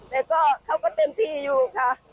แต่ก็เขาก็เต็มที่อยู่ค่ะ